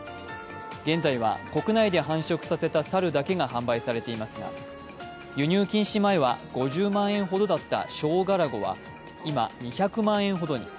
現在は国内で繁殖させた猿だけが販売されていますが、輸入禁止前は、５０万円ほどだったショウガラゴは今、２００万円ほどに。